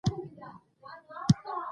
کډوال زیانمن قشر وي.